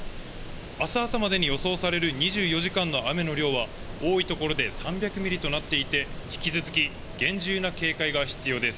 あす朝までに予想される２４時間の雨の量は多いところで３００ミリとなっていて、引き続き厳重な警戒が必要です。